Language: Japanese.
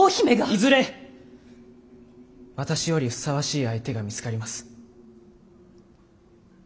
いずれ私よりふさわしい相手が見つかります。